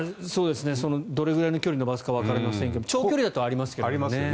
どれくらいの距離のバスかわかりませんが長距離だとありますよね。